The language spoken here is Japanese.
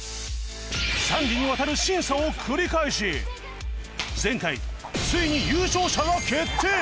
３次にわたる審査を繰り返し前回ついに優勝者が決定！